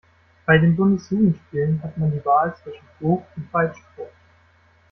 Bei den Bundesjugendspielen hat man die Wahl zwischen Hoch- und Weitsprung.